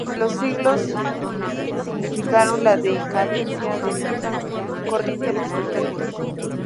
Los siglos y significaron la decadencia de esta corriente arquitectónica.